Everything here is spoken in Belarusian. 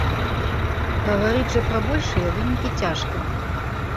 Гаварыць жа пра большыя вынікі цяжка.